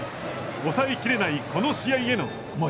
抑えきれない、この試合への思い。